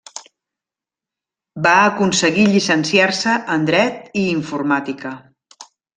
Va aconseguir llicenciar-se en dret i informàtica.